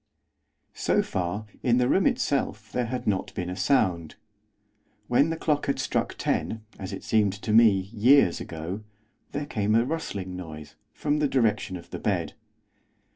So far, in the room itself there had not been a sound. When the clock had struck ten, as it seemed to me, years ago, there came a rustling noise, from the direction of the bed.